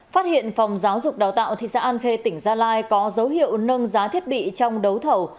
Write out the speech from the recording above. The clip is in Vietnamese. phát hiện phòng giáo dục đào tạo thị xã an khê tỉnh gia lai có dấu hiệu nâng giá thiết bị trong đấu thầu